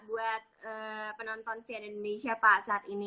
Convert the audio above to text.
buat penonton sian indonesia pak saat ini